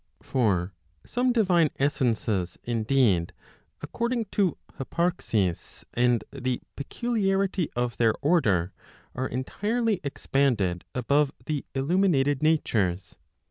For some divine essences indeed, according to hyparxis, and the peculiarity of their order, are entirely expanded above the illuminated natures.